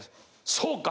「そうか！